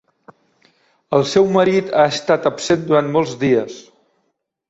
El seu marit ha estat absent durant molts dies.